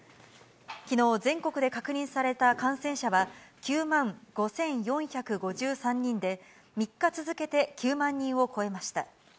きのう全国で確認された感染者は９万５４５３にんで、３日続けて９万人を超えました。